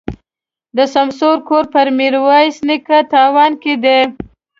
د سمسور کور په ميروایس نیکه تاون کي دی.